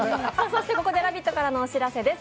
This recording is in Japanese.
ここで「ラヴィット！」からお知らせです。